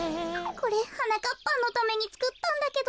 これはなかっぱんのためにつくったんだけど。